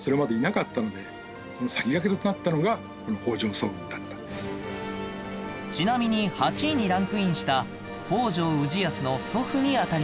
そうしたちなみに８位にランクインした北条氏康の祖父にあたります